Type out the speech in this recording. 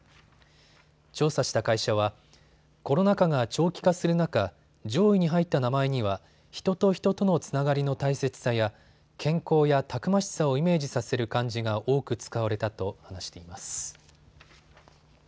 調査した会社はコロナ禍が長期化する中、上位に入った名前には人と人とのつながりの大切さや健康や、たくましさをイメージさせる漢字が多く使われたと話しています。